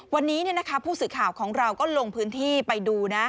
วันนี้ผู้สื่อข่าวของเราก็ลงพื้นที่ไปดูนะ